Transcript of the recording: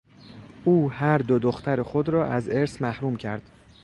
او هر دو دختر خود را از ارث محروم کرد.